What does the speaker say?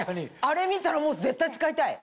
あれ見たらもう絶対使いたい！